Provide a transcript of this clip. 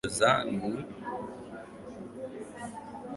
Katika msitu wa Jozani imetanda katika sehemu ya msitu wa nyevunyevu